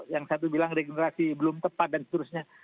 yang satu bilang regenerasi belum tepat dan seterusnya